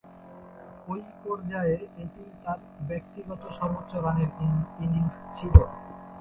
ঐ পর্যায়ে এটিই তার ব্যক্তিগত সর্বোচ্চ রানের ইনিংস ছিল।